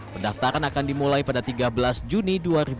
pendaftaran akan dimulai pada tiga belas juni dua ribu dua puluh